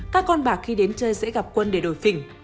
các con bạc khi đến chơi sẽ gặp quân để đổi phỉnh